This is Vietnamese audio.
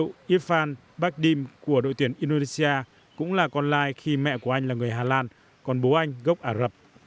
tiền đạo kỳ cựu yifan bakdim của đội tuyển indonesia cũng là con lai khi mẹ của anh là người hà lan còn bố anh gốc ả rập